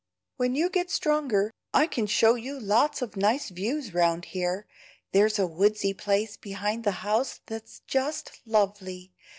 "When you get stronger I can show you lots of nice views round here. There's a woodsy place behind the house that's just lovely.